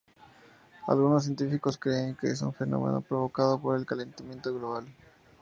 Algunos científicos creen que es un fenómeno provocado por el calentamiento global.